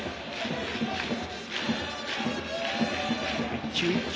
１球１球